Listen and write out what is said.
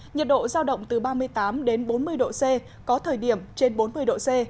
nhiệt độ giao động từ ba mươi tám đến bốn mươi độ c có thời điểm trên bốn mươi độ c